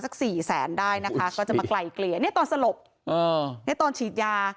สี่แสนได้นะคะก็จะมาไกลเกลี่ยเนี่ยตอนสลบเนี่ยตอนฉีดยา